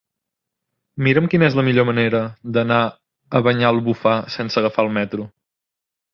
Mira'm quina és la millor manera d'anar a Banyalbufar sense agafar el metro.